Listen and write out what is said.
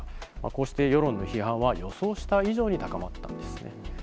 こうして世論の批判は、予想した以上に高まったんですね。